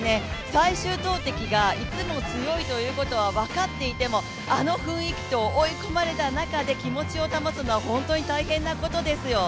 最終投てきがいつも強いということは分かっていても、あの雰囲気と追い込まれた中で、気持ちを保つのは本当に大変なことですよ。